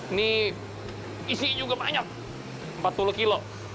ini isinya juga banyak empat puluh kilo